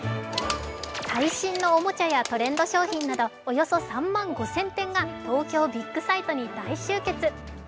最新のおもちゃやトレンド商品などおよそ３万５０００点が、東京ビッグサイトに大集結。